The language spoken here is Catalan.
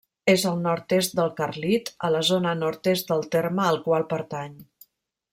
És al nord-est del Carlit, a la zona nord-est del terme al qual pertany.